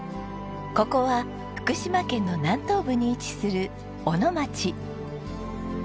ここは福島県の南東部に位置する小野町。